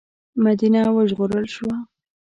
مدینه وژغورل شوه.